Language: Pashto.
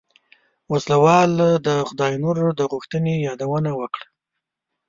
وسله وال د خداينور د غوښتنې يادونه وکړه.